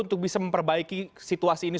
untuk bisa memperbaiki situasi ini